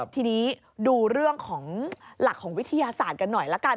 ทีนี้ดูเรื่องของหลักของวิทยาศาสตร์กันหน่อยละกัน